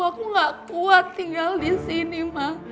aku gak kuat tinggal disini mak